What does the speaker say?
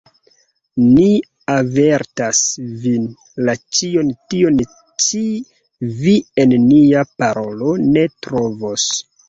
Ni avertas vin, ke ĉion tion ĉi vi en nia parolo ne trovos.